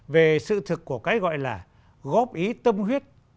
về sự thực của cái gọi là góp ý tâm huyết